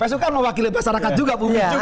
pers itu kan mewakili persyarakat juga